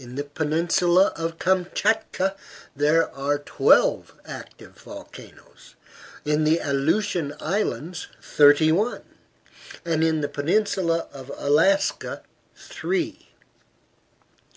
In the peninsula of Kamchatka there are twelve active volcanoes, in the Aleutian Islands thirty one, and in the peninsula of Alaska three.